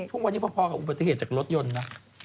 ทุกวันนี้พอกับอุบัติเหตุจากรถยนต์นะ